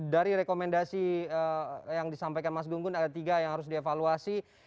dari rekomendasi yang disampaikan mas gunggun ada tiga yang harus dievaluasi